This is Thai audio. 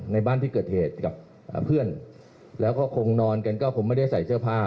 ในบ้านที่เกิดเหตุกับเพื่อนแล้วก็คงนอนกันก็คงไม่ได้ใส่เสื้อผ้า